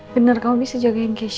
bener kamu bisa jagain keisha